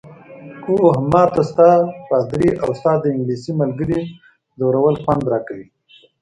اوه، ما ته ستا، پادري او ستا د انګلیسۍ ملګرې ځورول خوند راکوي.